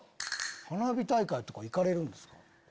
花火大会とか行かれるんですか？